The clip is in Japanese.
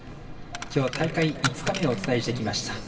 きょうは大会５日目をお伝えしていきました。